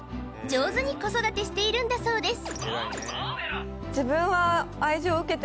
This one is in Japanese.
上手に子育てしているんだそうです